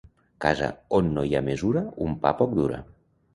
Casa on no hi ha mesura un pa poc dura.